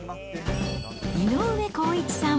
井上康一さん。